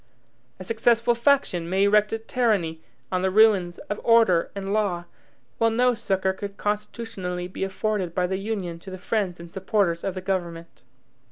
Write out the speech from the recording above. A successful faction may erect a tyranny on the ruins of order and law, while no succor could constitutionally be afforded by the Union to the friends and supporters of the government.